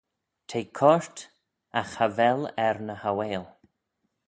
T'eh coyrt agh cha vel er ny hauail.